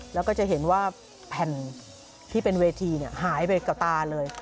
แล้วก็จะเห็นว่าแผ่นที่เป็นเวทีหายไปกับตาเลย